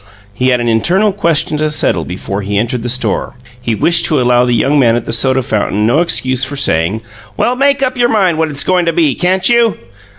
He had an internal question to settle before he entered the store: he wished to allow the young man at the soda fountain no excuse for saying, "Well, make up your mind what it's goin' to be, can't you?"